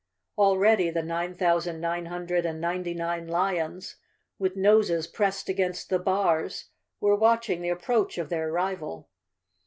Already the nine thousand nine hundred and ninety nine lions, with noses pressed against the bars, were watching the ap¬ proach of their rival.